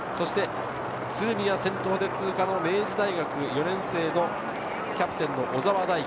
鶴見は先頭で通過の明治大学４年生のキャプテン・小澤大輝。